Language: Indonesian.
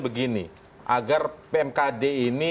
begini agar pmkd ini